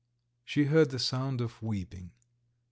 She heard the sound of weeping.